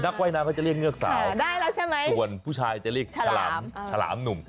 นักว่ายน้ำก็จะเรียกเงือกสาวส่วนผู้ชายจะเรียกชลามชลามหนุ่ม